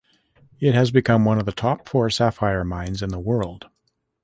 It has become one of the top four sapphire mines in the world.